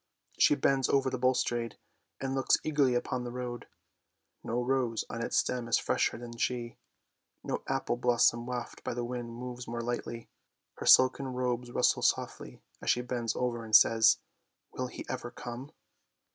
She bends over the balustrade and looks eagerly up the road. No rose on its stem is fresher than she; no apple blossom wafted by the wind moves more lightly. Her silken robes rustle softly as she bends over and says, " Will he never come?